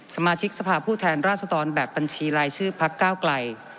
สมาชิกสภาพผู้แทนล่าสะดอนแบบบัญชีลายชื่อภัฒน์ก้าวกลัย